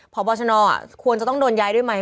พบชนควรจะต้องโดนย้ายด้วยไหม